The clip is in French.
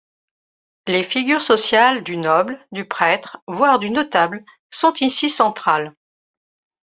Les figures sociales du noble, du prêtre, voire du notable, sont ici centrales.